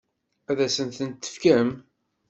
Ad asen-ten-tefkem?